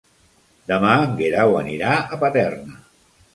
Demà en Guerau anirà a Paterna.